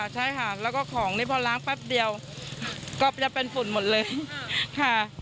ใช่ค่ะแล้วก็ของนี่พอล้างแป๊บเดียวก็จะเป็นฝุ่นหมดเลยค่ะ